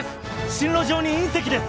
進路上にいん石です！